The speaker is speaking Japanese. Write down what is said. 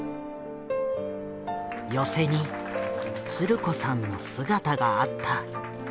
寄席につる子さんの姿があった。